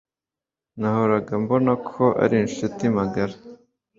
Nahoraga mbona ko ari inshuti magara.